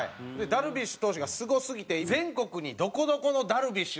ダルビッシュ投手がすごすぎて全国に「どこどこのダルビッシュ」って。